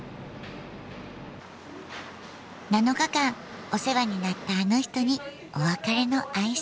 ７日間お世話になったあの人にお別れの挨拶。